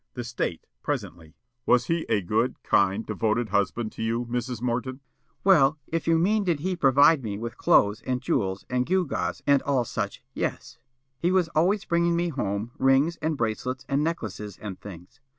The State, presently: "Was he a good, kind, devoted husband to you, Mrs. Morton?" Witness: "Well, if you mean did he provide me with clothes and jewels and gewgaws and all such, yes. He was always bringing me home rings and bracelets and necklaces and things.